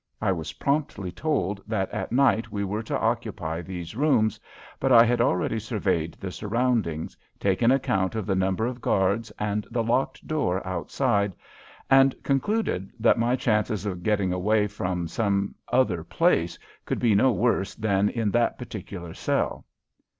I was promptly told that at night we were to occupy these rooms, but I had already surveyed the surroundings, taken account of the number of guards and the locked door outside, and concluded that my chances of getting away from some other place could be no worse than in that particular cell.